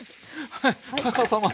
はい。